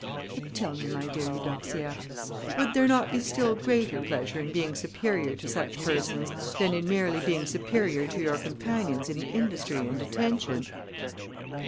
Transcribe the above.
But tell me, my dear Eudoxia, would there not be still greater pleasure in being superior to such persons, than in merely being superior to your companions in industry and attention?"